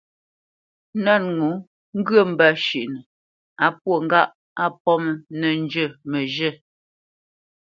Nə̂t ŋo ŋgyə mbə́ shʉ́ʼnə á pwô ŋgâʼ á mbomə̄ nə́ njə məzhə̂.